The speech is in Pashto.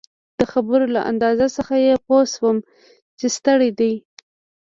د خبرو له انداز څخه يې پوه شوم چي ستړی دی.